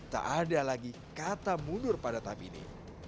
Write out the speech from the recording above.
tak ada lagi kata mundur pada tam ini